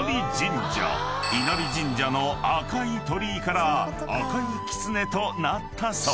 ［稲荷神社の赤い鳥居から赤いきつねとなったそう］